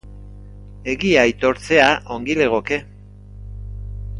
Egia aitortzea ongi legoke.